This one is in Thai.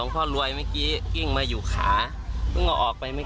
ตอนนี้ลูกผมติด